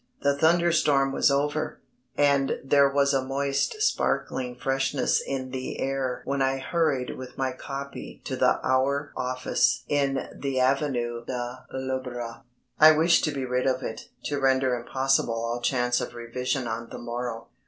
The thunderstorm was over, and there was a moist sparkling freshness in the air when I hurried with my copy to the Hour office in the Avenue de l'Opéra. I wished to be rid of it, to render impossible all chance of revision on the morrow.